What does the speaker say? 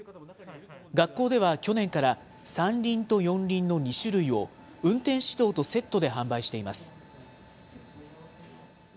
学校では去年から、３輪と４輪の２種類を運転指導とセットで販売しています。